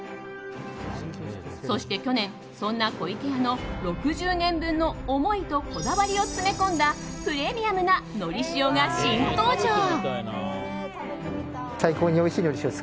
そして去年、そんな湖池屋の６０年分の思いとこだわりを詰め込んだプレミアムなのり塩が新登場。